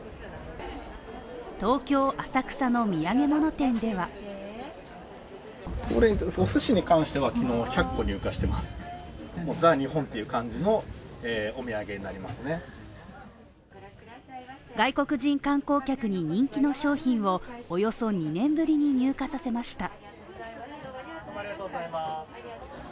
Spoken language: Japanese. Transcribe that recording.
東京・浅草の土産物店では外国人観光客に人気の商品をおよそ２年ぶりに入荷させました。